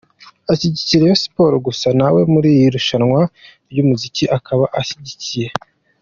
ashyigikiye Rayon sport gusa nawe muri iri rushanwa ryumuziki akaba ashyigikiye.